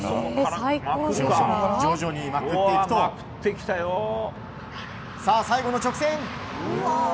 徐々にまくっていくと最後の直線。